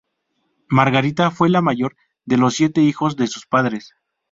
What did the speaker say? Margarita fue la mayor de los siete hijos de sus padres.